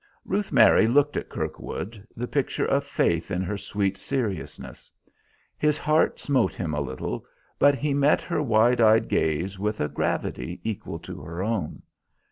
Ruth Mary looked at Kirkwood, the picture of faith in her sweet seriousness. His heart smote him a little, but he met her wide eyed gaze with a gravity equal to her own.